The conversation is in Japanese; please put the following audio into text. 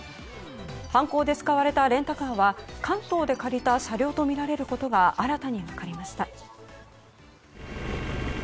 犯行で使われたレンタカーは関東で借りた車両とみられることが新たに分かりました。